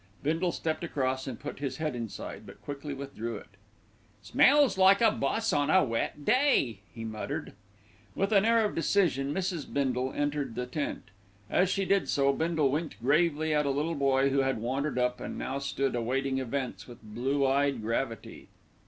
Bindle stepped across and put his head inside; but quickly withdrew it. "Smells like a bus on a wet day," he muttered. With an air of decision Mrs. Bindle entered the tent. As she did so Bindle winked gravely at a little boy who had wandered up, and now stood awaiting events with blue eyed gravity.